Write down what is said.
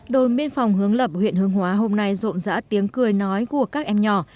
đồn biên phòng hướng lập huyện hương hóa hôm nay rộn rã tiếng cười nói của các em nhỏ